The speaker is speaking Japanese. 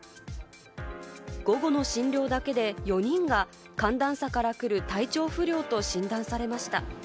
午後の診療だけで４人が寒暖差からくる体調不良と診断されました。